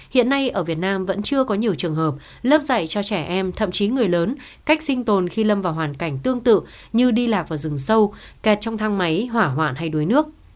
hiện nay ở việt nam vẫn chưa có nhiều trường hợp lớp dạy cho trẻ em thậm chí người lớn cách sinh tồn khi lâm vào hoàn cảnh tương tự như đi lạc vào rừng sâu kẹt trong thang máy hỏa hoạn hay đuối nước